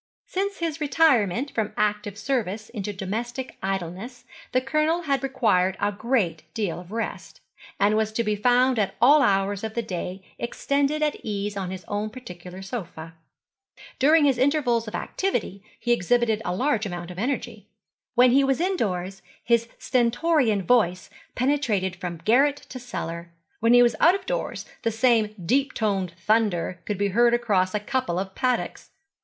Since his retirement from active service into domestic idleness the Colonel had required a great deal of rest, and was to be found at all hours of the day extended at ease on his own particular sofa. During his intervals of activity he exhibited a large amount of energy. When he was indoors his stentorian voice penetrated from garret to cellar; when he was out of doors the same deep toned thunder could be heard across a couple of paddocks.